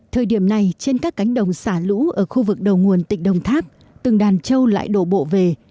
thời điểm này trên các cánh đồng xả lũ ở khu vực đầu nguồn tỉnh đồng tháp từng đàn trâu lại đổ bộ về